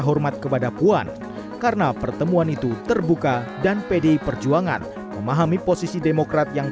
hormat kepada puan karena pertemuan itu terbuka dan pdi perjuangan memahami posisi demokrat yang